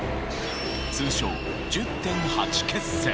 通称１０．８決戦。